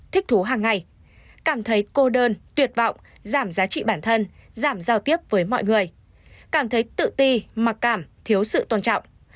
thích thú hàng ngày cảm thấy cô đơn tuyệt vọng giảm giá trị bản thân giảm giao tiếp với mọi người cảm thấy tự ti mặc cảm thiếu sự tôn trọng